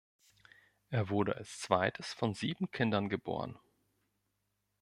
Er wurde als zweites von sieben Kindern geboren.